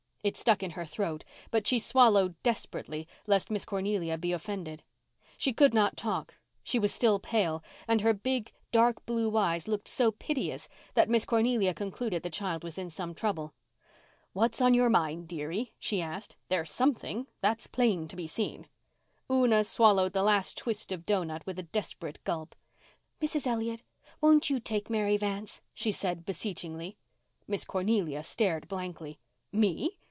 It stuck in her throat, but she swallowed desperately lest Miss Cornelia be offended. She could not talk; she was still pale; and her big, dark blue eyes looked so piteous that Miss Cornelia concluded the child was in some trouble. "What's on your mind, dearie?" she asked. "There's something, that's plain to be seen." Una swallowed the last twist of doughnut with a desperate gulp. "Mrs. Elliott, won't you take Mary Vance?" she said beseechingly. Miss Cornelia stared blankly. "Me!